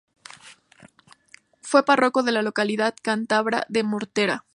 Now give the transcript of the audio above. Fue párroco de la localidad cántabra de Mortera.